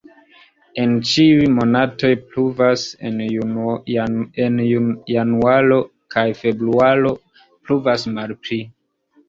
En ĉiuj monatoj pluvas, en januaro kaj februaro pluvas malpli.